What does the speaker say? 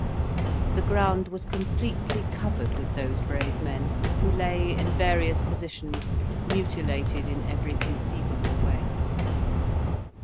The ground was completely covered with those brave men, who lay in various positions, mutilated in every conceivable way.